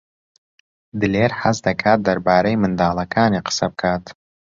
دلێر حەز دەکات دەربارەی منداڵەکانی قسە بکات.